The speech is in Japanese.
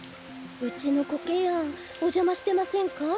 うちのコケヤンおじゃましてませんか？